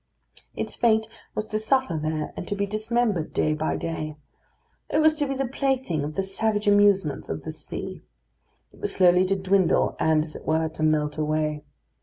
Its fate was to suffer there and to be dismembered day by day. It was to be the plaything of the savage amusements of the sea. It was slowly to dwindle, and, as it were, to melt away.